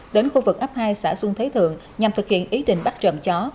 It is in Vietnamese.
đến khu vực ấp hai xã xuân thế thượng nhằm thực hiện ý định bắt trộm chó